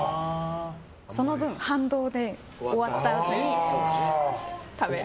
その分、反動で終わったあとに食べる。